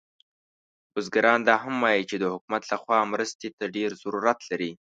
بزګران دا هم وایي چې د حکومت له خوا مرستې ته ډیر ضرورت لري